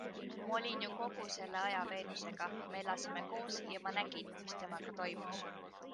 Ma olin ju kogu selle aja Venusega, me elasime koos ja ma nägin, mis temaga toimus.